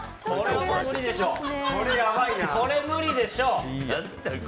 これ無理でしょ。